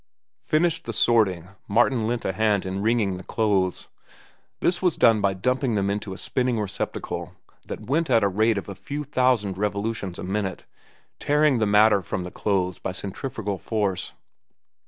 Finished the sorting, Martin lent a hand in wringing the clothes. This was done by dumping them into a spinning receptacle that went at a rate of a few thousand revolutions a minute, tearing the water from the clothes by centrifugal force.